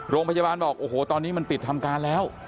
โรงพยาบาลบอกโอ้โหตอนนี้มันปิดทำการแล้ว